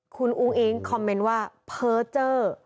คุณอุ้งอิ้งคอมเมนต์ว่าเพจ